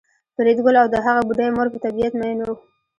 فریدګل او د هغه بوډۍ مور په طبیعت میئن وو